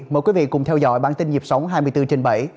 mời quý vị cùng theo dõi bản tin nhịp sống hai mươi bốn trên bảy